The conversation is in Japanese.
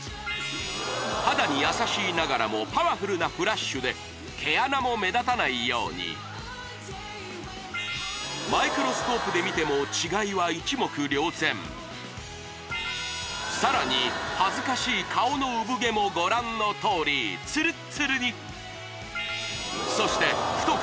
肌に優しいながらもパワフルなフラッシュで毛穴も目立たないようにマイクロスコープで見ても違いは一目瞭然さらに恥ずかしい顔の産毛もご覧のとおりツルッツルにそして太く